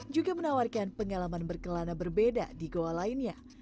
juga menawarkan pengalaman berkelana berbeda di goa lainnya